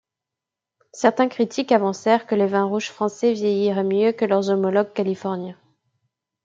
Certains critiques avancèrent que les vins rouges français vieilliraient mieux que leurs homologues californiens.